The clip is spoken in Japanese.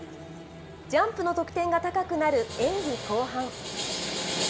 ジャンプの得点が高くなる演技後半。